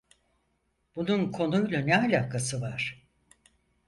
Bunun konuyla ne alakası var?